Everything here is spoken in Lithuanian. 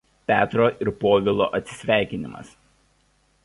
Petro ir Povilo atsisveikinimas".